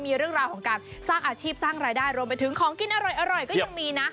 มีเรื่องราวของการสร้างอาชีพสร้างรายได้รวมไปถึงของกินอร่อยก็ยังมีนะ